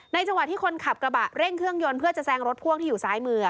จังหวะที่คนขับกระบะเร่งเครื่องยนต์เพื่อจะแซงรถพ่วงที่อยู่ซ้ายมือ